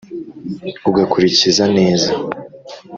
ugakulikiza neza